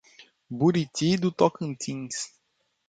Buriti do Tocantins